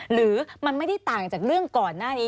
หรือมันไม่ได้ต่างจากเรื่องก่อนหน้านี้